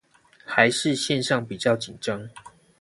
還是線上比較緊張